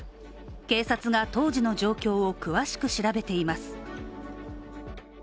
警察が当時の状況を詳しく調べています。